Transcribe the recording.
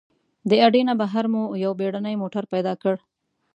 د اډې نه بهر مو یو بېړنی موټر پیدا کړ.